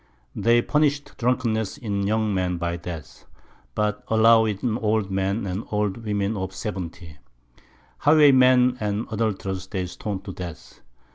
They punish'd Drunkenness in young Men by Death, but allow'd it in old Men and old Women of 70. Highway men and Adulterers they ston'd to Death.